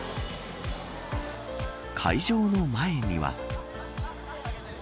会場の前には。